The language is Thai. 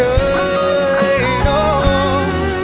เป็นเพียงแค่คนคุ้นเคย